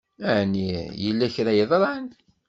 Ɛni yella kra i yeḍṛan?